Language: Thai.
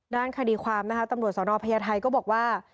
ด้านคดีความนะคะตำรวจสนพญาไทยก็บอกว่า